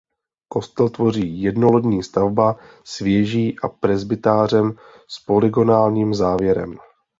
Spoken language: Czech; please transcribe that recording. Kostel tvoří jednolodní stavba s věží a presbytářem s polygonálním závěrem.